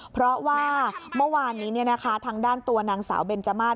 เพราะว่าเมื่อวานนี้เนี่ยนะคะทางด้านตัวนางสาวเบนเจ้ามาส